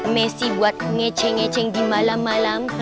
messi buat ngece ngece di malam malam